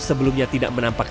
sebelumnya tidak menampaknya